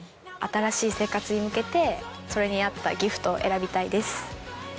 新しい生活に向けてそれに合ったギフトを選びたいです。